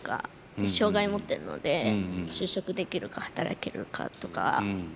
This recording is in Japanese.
障害持ってるので就職できるか働けるかとかかな。